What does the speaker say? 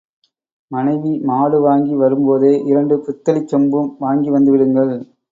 மனைவி மாடு வாங்கி வரும்போதே இரண்டு பித்தளைச்சொம்பும் வாங்கி வந்துவிடுங்கள்.